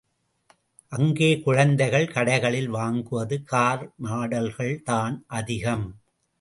அங்கே குழந்தைகள் கடைகளில் வாங்குவது கார் மாடல்கள்தான் அதிகம்.